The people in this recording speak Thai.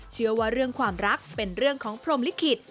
เชื่อว่าเรื่องความรักเป็นเรื่องของพรมลิขิต